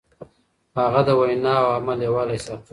هغه د وينا او عمل يووالی ساته.